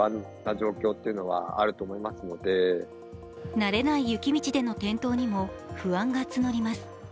慣れない雪道での転倒にも不安が募ります。